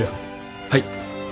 はい。